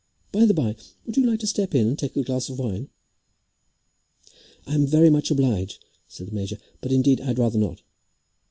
By the by, would you like to step in and take a glass of wine?" "I'm very much obliged," said the major, "but indeed I'd rather not."